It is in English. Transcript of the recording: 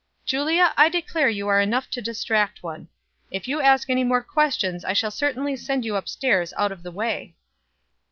"Julia, I declare you are enough to distract one. If you ask any more questions I shall certainly send you up stairs out of the way."